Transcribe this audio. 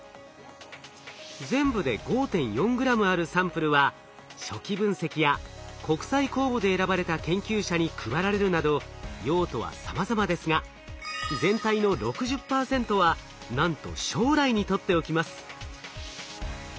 全部で５．４グラムあるサンプルは初期分析や国際公募で選ばれた研究者に配られるなど用途はさまざまですが全体の６０％はなんと将来に取っておきます。